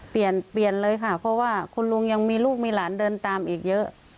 เปลี่ยนเปลี่ยนเลยค่ะเพราะว่าคุณลุงยังมีลูกมีหลานเดินตามอีกเยอะ